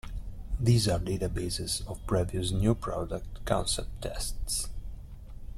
These are databases of previous new-product concept tests.